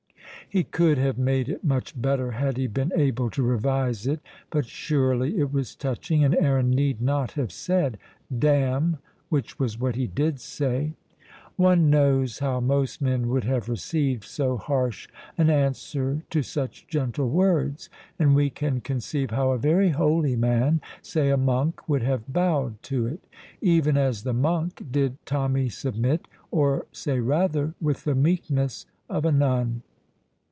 He could have made it much better had he been able to revise it, but surely it was touching, and Aaron need not have said "Damn," which was what he did say. One knows how most men would have received so harsh an answer to such gentle words, and we can conceive how a very holy man, say a monk, would have bowed to it. Even as the monk did Tommy submit, or say rather with the meekness of a nun.